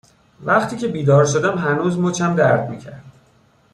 وقتی که بیدار شدم هنوز مچم درد می کرد